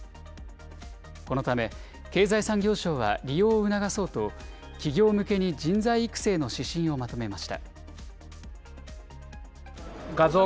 このため、経済産業省は利用を促そうと、企業向けに人材育成の指針をまとめました。